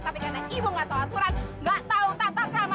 tapi karena ibu nggak tahu aturan nggak tahu tata krama